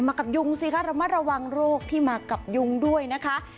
กับยุงสิคะระมัดระวังโรคที่มากับยุงด้วยนะคะ